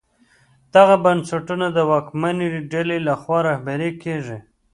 دغه بنسټونه د واکمنې ډلې لخوا رهبري کېږي.